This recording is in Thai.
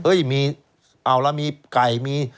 เอ้ยเอาล่ะมีไก่